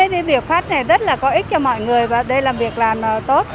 cái việc phát này rất là có ích cho mọi người và đây là việc làm tốt